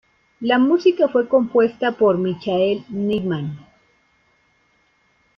La música fue compuesta por Michael Nyman.